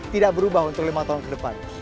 tidak berubah untuk lima tahun ke depan